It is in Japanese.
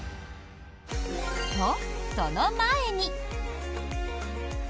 と、その前に！